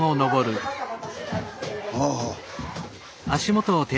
ああ。